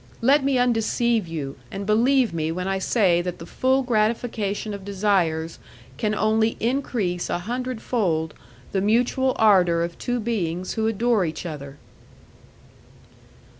Let me undeceive you, and believe me when I say that the full gratification of desires can only increase a hundredfold the mutual ardour of two beings who adore each other."